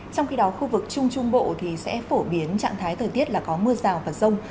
trong khi đó khu vực trung trung bộ thì sẽ phổ biến trạng thái thời tiết là có mưa rào và rông